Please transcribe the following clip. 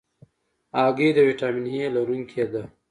هګۍ د ویټامین A لرونکې ده.